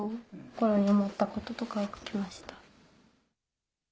心に思ったこととかを書きました。